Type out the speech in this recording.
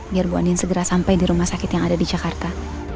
biar bu anin segera sampai di rumah sakit yang ada di jakarta